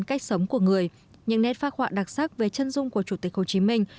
cách sống của người những nét phác họa đặc sắc về chân dung của chủ tịch hồ chí minh